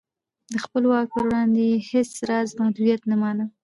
د خپل واک پر وړاندې یې هېڅ راز محدودیت نه مانه.